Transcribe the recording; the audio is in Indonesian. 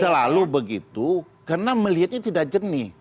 selalu begitu karena melihatnya tidak jernih